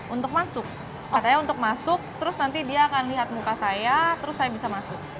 untuk masuk katanya untuk masuk terus nanti dia akan lihat muka saya terus saya bisa masuk